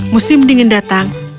musim dingin datang